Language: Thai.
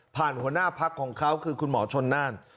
ผ่านหัวหน้าภักดิ์ของเขาคือคุณหมอชนน่าน